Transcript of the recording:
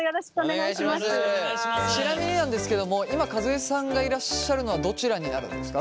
ちなみになんですけども今和江さんがいらっしゃるのはどちらになるんですか？